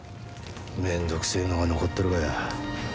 めんどくせえのが残っとるがや。